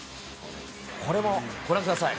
これもご覧ください。